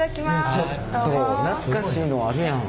ちょっと懐かしいのあるやん。